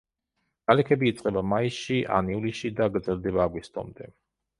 ნალექები იწყება მაისში ან ივნისში და გრძელდება აგვისტომდე.